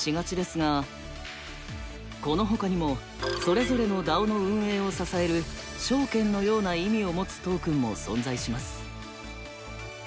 このほかにもそれぞれのＤＡＯの運営を支える証券のような意味を持つトークンも存在します。